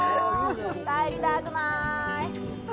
帰りたくない！